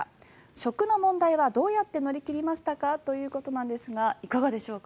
食の問題はどうやって乗り切りましたか？ということなんですがいかがでしょうか。